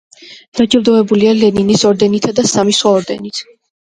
დაჯილდოებულია ლენინის ორდენითა და სამი სხვა ორდენით.